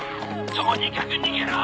とにかく逃げろ！